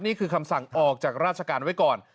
นี่คือคำสั่งออกจากราชการไว้ก่อน